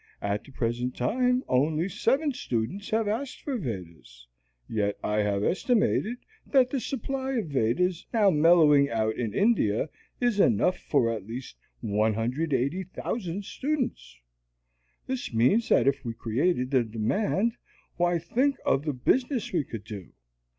At the present time only seven students have asked for Vedas, yet I have estimated that the supply of Vedas now mellowing out in India is enough for at least 180,000 students. Which means that if we created the demand why, think of the business we could do!